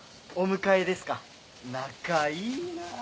お迎えですか仲いいな。